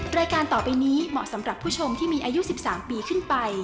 รายการต่อไปนี้เหมาะสำหรับผู้ชมที่มีอายุ๑๓ปีขึ้นไป